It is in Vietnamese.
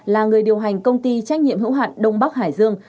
là người điều hành công ty trách nhiệm hữu hạn đông bắc hải dương